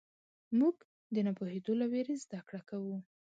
موږ د نه پوهېدو له وېرې زدهکړه کوو.